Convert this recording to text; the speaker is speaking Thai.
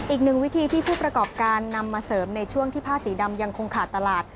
อีกหนึ่งวิธีที่ผู้ประกอบการนำมาเสริมในช่วงที่ผ้าสีดำยังคงขาดตลาด